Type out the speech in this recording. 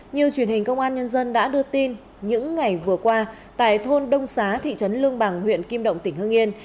như truyền hình công an nhân dân đã đưa tin những ngày vừa qua tại thôn đông xá thị trấn lương bằng huyện kim động tỉnh hương yên